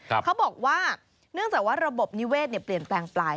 เขาบอกว่าเนื่องจากว่าระบบนิเวศเปลี่ยนแปลงไป